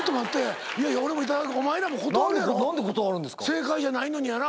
正解じゃないのにやな。